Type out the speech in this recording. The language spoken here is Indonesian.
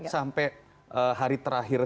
sampai hari terakhir